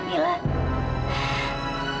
kamila akan memilih